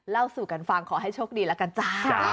เล่าสู่กันฟังขอให้โชคดีแล้วกันจ้า